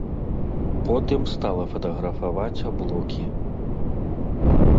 Потым стала фатаграфаваць аблокі.